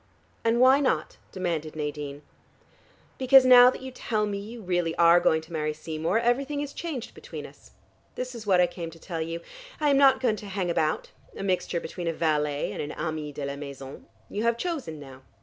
"And why not?" demanded Nadine. "Because now that you tell me you really are going to marry Seymour, everything is changed between us. This is what I came to tell you. I am not going to hang about, a mixture between a valet and an ami de la maison. You have chosen now.